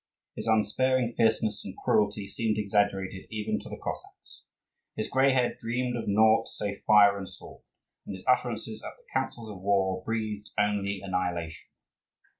His unsparing fierceness and cruelty seemed exaggerated even to the Cossacks. His grey head dreamed of naught save fire and sword, and his utterances at the councils of war breathed only annihilation.